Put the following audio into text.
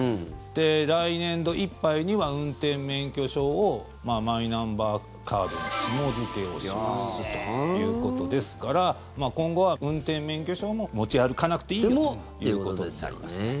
来年度いっぱいには運転免許証をマイナンバーカードにひも付けをしますということですから今後は運転免許証も持ち歩かなくていいということになります。